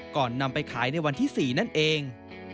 ก่อนนำไปขายในวันที่๔นั่นเอง